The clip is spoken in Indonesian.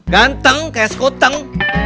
ganteng kayak sekoteng